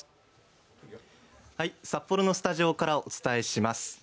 札幌のスタジオからお伝えします。